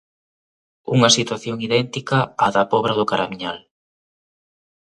Unha situación idéntica á da Pobra do Caramiñal.